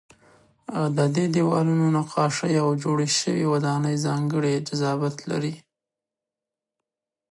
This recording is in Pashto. د دې دیوالونو نقاشۍ او جوړې شوې ودانۍ ځانګړی جذابیت لري.